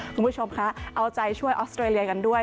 คุณผู้ชมคะเอาใจช่วยออสเตรเลียกันด้วย